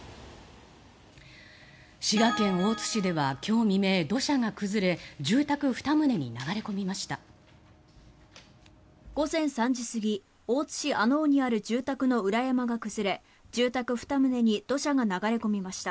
滋賀県大津市では今日未明土砂が崩れ住宅２棟に流れ込みました。